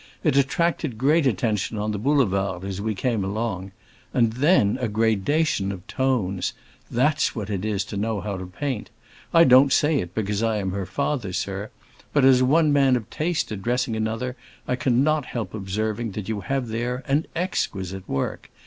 It attracted great attention on the Boulevard, as we came along. And then a gradation of tones! That's what it is to know how to paint. I don't say it because I am her father, sir; but as one man of taste addressing another I cannot help observing that you have there an exquisite work.